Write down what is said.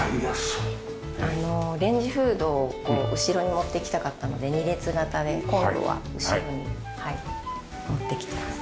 レンジフードをこう後ろに持っていきたかったので２列型でコンロは後ろに持ってきてます。